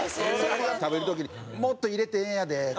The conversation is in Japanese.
食べる時に「もっと入れてええんやで」っていう。